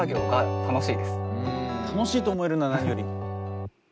楽しいと思えるのは何より！